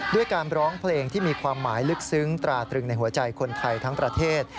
ด้วยการร้องเพลงที่มีความหมายลึกซึ้งตราตรึงในหัวใจคนไทยทั้งประเทศ